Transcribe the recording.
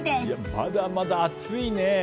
まだまだ暑いね。